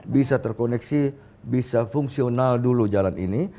bisa terkoneksi bisa fungsional dulu jalan ini